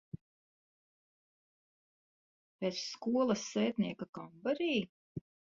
Pēc skolas sētnieka kambarī?